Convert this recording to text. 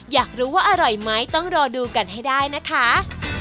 อยากรู้ว่าอร่อยไหมต้องรอดูกันให้ได้นะคะ